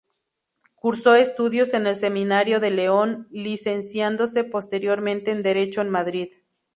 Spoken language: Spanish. Cursó estudios en el Seminario de León, licenciándose posteriormente en Derecho en Madrid.